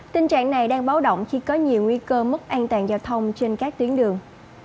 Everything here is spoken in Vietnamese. tình trạng này đang báo động khi có nhiều nguy cơ mất an toàn giao thông trên các tuyến đường